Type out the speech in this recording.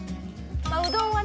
うどんはね